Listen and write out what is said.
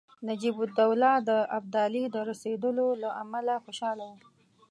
نجیب الدوله د ابدالي د رسېدلو له امله خوشاله وو.